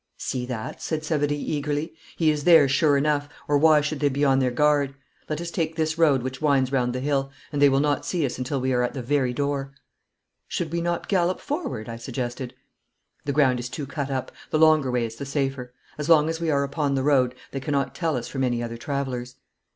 'See that!' said Savary eagerly. 'He is there sure enough, or why should they be on their guard? Let us take this road which winds round the hill, and they will not see us until we are at the very door.' 'Should we not gallop forward?' I suggested. 'The ground is too cut up. The longer way is the safer. As long as we are upon the road they cannot tell us from any other travellers.'